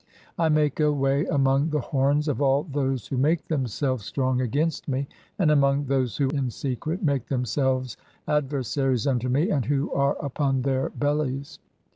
"I make a way among the horns of all those who make them selves strong against me, and [among] those who in secret (27) "make themselves adversaries unto me, and who are upon their "bellies.